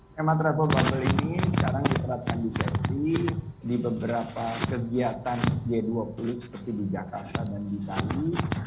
skema travel bubble ini sekarang diterapkan di selfie di beberapa kegiatan g dua puluh seperti di jakarta dan di bali